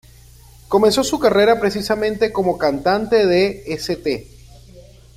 Comenzó su carrera precisamente como cantante de St.